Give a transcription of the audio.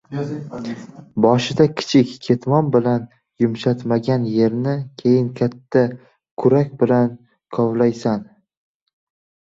• Boshida kichik ketmon bilan yumshatmagan yerni keyin katta kurak bilan kovlaysan.